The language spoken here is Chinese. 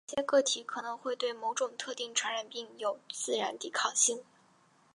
某些个体可能会对某种特定传染病有自然抵抗力。